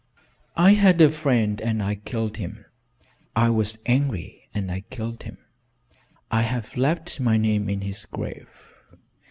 "I had a friend and I killed him. I was angry and killed him. I have left my name in his grave."